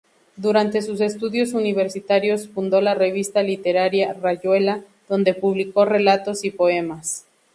Durante sus estudios universitarios fundó la revista literaria "Rayuela", donde publicó relatos y poemas.